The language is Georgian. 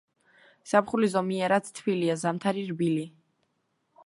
ზაფხული ზომიერად თბილია, ზამთარი რბილი.